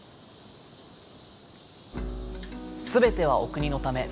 全てはお国のため。